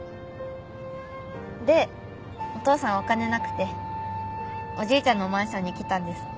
でお父さんお金なくておじいちゃんのマンションに来たんです。